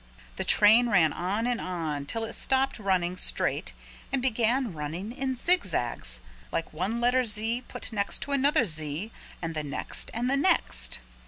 The train ran on and on till it stopped running straight and began running in zigzags like one letter Z put next to another Z and the next and the next.